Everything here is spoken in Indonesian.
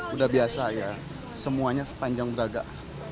udah biasa ya semuanya sepanjang braga